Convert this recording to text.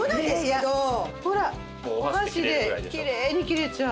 ほらお箸できれいに切れちゃう。